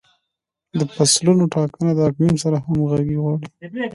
د فصلونو ټاکنه د اقلیم سره همغږي غواړي.